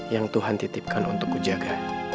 yang tuhan titipkan untuk ku jaga